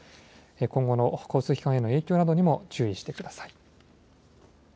今後の交通機関への影響などにも注意してください。